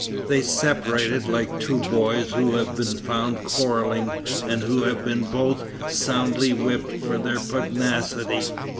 They separated like two boys who have been found quarreling, and who have both been soundly whipped for their pugnacity.